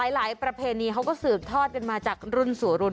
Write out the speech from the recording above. ประเพณีเขาก็สืบทอดกันมาจากรุ่นสู่รุ่น